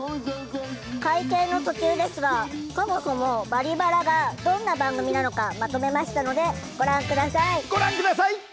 会見の途中ですがそもそも「バリバラ」がどんな番組なのかまとめましたのでご覧下さい。